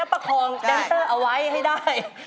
ประคองเอาไว้ให้ได้